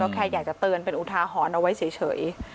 แค่อยากจะเตือนเป็นอุทาหรณ์เอาไว้เฉย